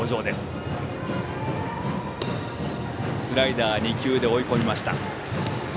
スライダー２球で追い込みました。